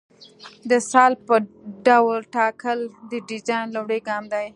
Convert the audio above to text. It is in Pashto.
د سلب ډول ټاکل د ډیزاین لومړی ګام دی